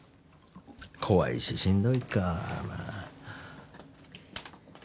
怖いししんどいか。